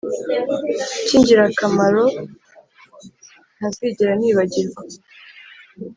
kingirakamaro ntazigera nibagirwa